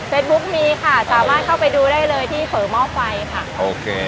บุ๊คมีค่ะสามารถเข้าไปดูได้เลยที่เฝอหม้อไฟค่ะโอเค